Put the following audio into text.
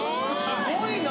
「すごいな！」。